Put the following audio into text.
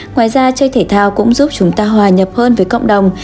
ngoài ra chơi thể thao cũng giúp chúng ta hòa nhập hơn với cộng đồng